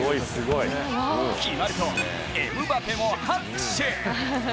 決まると、エムバペも拍手！